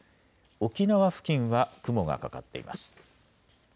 沖縄付近は雲がかかっています。